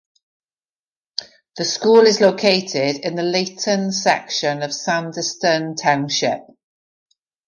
The school is located in the Layton section of Sandyston Township.